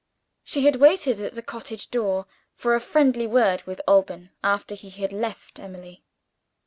She had waited at the cottage door for a friendly word with Alban, after he had left Emily.